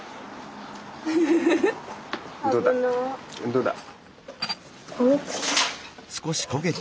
どうだ？